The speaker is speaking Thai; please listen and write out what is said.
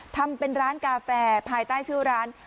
ทำเป็นร้านกาแฟภายใต้ชื่อร้าน